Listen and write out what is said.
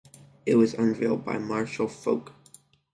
It was unveiled by Marshall Foch.